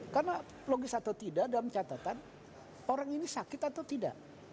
karena logis atau tidak dalam catatan orang ini sakit atau tidak